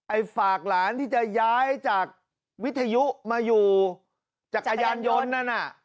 ฝากหลานที่จะย้ายจากวิทยุมาอยู่จักรยานยนต์นั่นน่ะ